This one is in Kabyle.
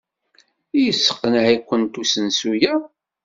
Yesseqneɛ-ikent usensu-a?